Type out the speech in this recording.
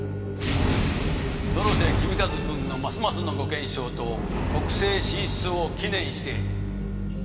野呂瀬公和君のますますのご健勝と国政進出を祈念して。